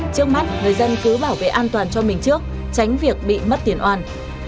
trước mắt người dân cứ bảo vệ an toàn cho mình trước tránh việc bị mất tiền oan